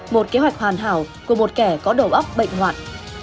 một kế hoạch hoàn hảo của một kẻ có đầu óc bệnh ngoạn